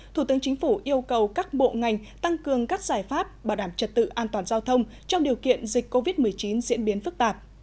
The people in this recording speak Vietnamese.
thủ tướng chính phủ yêu cầu các bộ ngành tăng cường các giải pháp bảo đảm trật tự an toàn giao thông trong điều kiện dịch covid một mươi chín diễn biến phức tạp